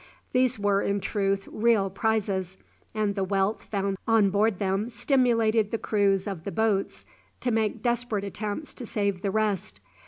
These were in truth real prizes, and the wealth found on board them stimulated the crews of the boats to make desperate attempts to save the rest.